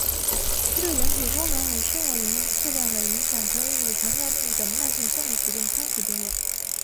它对人体功能与生活质量的影响可以与糖尿病等慢性生理疾病相提并论。